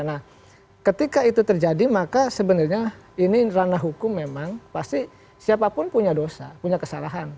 nah ketika itu terjadi maka sebenarnya ini ranah hukum memang pasti siapapun punya dosa punya kesalahan